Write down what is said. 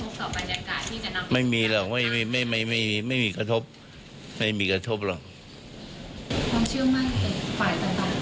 ขอพูดทางนี้เหมือนความเชื่อมั่นยังไม่ค่อยมั่นใจ